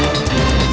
lo sudah bisa berhenti